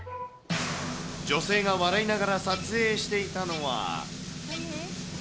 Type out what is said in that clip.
女性が笑いながら撮影していたのは。